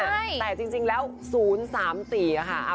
แต่จริงแล้ว๐๓๔ค่ะ